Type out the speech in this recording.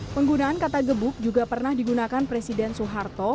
penggunaan kata gebuk juga pernah digunakan presiden soeharto